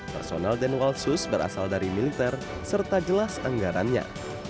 personel denwalsus berasal dari militer serta jelas anggarannya